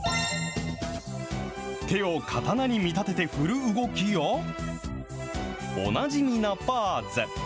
手を刀に見立てて振る動きや、おなじみのポーズ。